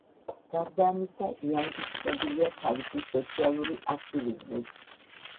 გარდა ამისა, იანგი ცნობილია თავისი სოციალური აქტივიზმით.